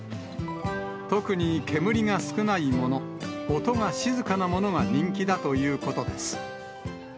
特に煙が少ないもの、音が静かなものが人気だということです。